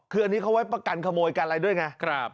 คืออันนี้เขาไว้ประกันขโมยกันอะไรด้วยไง